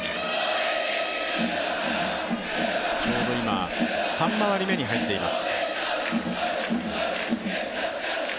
ちょうど今、３回り目に入っています。